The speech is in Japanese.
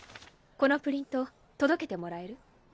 このプリント届けてもらえる？